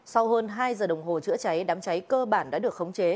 sau hơn hai giờ đồng hồ chữa cháy đám cháy cơ bản đã được khống chế